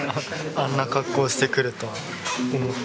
あんな格好してくるとは思ってなかった。